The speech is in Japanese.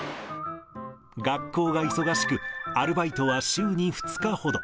学校が忙しく、アルバイトは週に２日ほど。